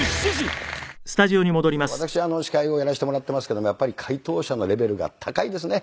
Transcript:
私司会をやらせてもらっていますけどもやっぱり解答者のレベルが高いですね。